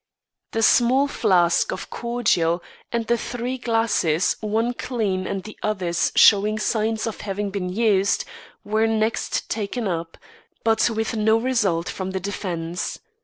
The small flask of cordial and the three glasses, one clean and the others showing signs of having been used, were next taken up, but with no result for the defence.